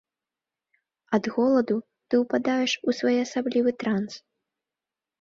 Ад голаду ты ўпадаеш у своеасаблівы транс.